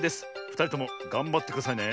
ふたりともがんばってくださいね。